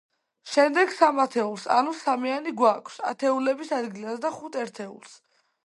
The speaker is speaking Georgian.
შემდეგ სამ ათეულს, ანუ სამიანი გვაქვს ათეულების ადგილას და ხუთ ერთეულს.